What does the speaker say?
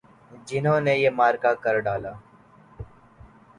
جنہوں نے یہ معرکہ کر ڈالا۔